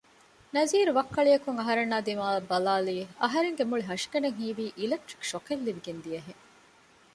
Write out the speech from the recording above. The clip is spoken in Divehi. ނަޒީރު ވައްކަޅިއަކުން އަހަރެންނާ ދިމާއަށް ބަލައިލިއެވެ އަހަރެންގެ މުޅި ހަށިގަނޑަށް ހީވީ އިލެކްޓްރިކް ޝޮކެއް ލިބިގެން ދިޔަހެން